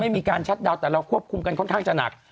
มีการชัดดาวน์แต่เราควบคุมกันค่อนข้างจะหนัก